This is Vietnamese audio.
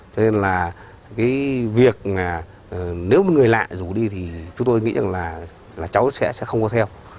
cho nên là cái việc nếu mà người lạ rủ đi thì chúng tôi nghĩ rằng là cháu sẽ không có theo